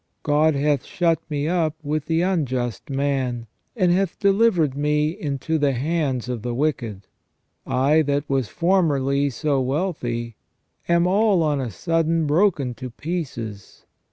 God hath shut me up with the unjust man, and hath delivered me into the hands of the wicked. I, that was formerly so wealthy, am all on a sudden broken to pieces.